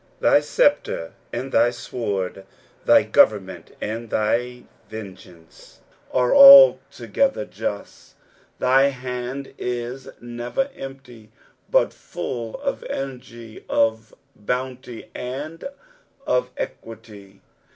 Thy sceptre and thy sword, thj government and thy vengeance, are altogether just. Thy hand is never empty, but full of energy, of bounty, and of equity.